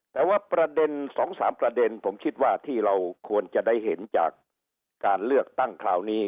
แต่ว่าประเด็น๒๓ประเด็นผมคิดว่าที่เราควรจะได้เห็นจากการเลือกตั้งคราวนี้